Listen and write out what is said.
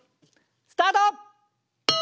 スタート！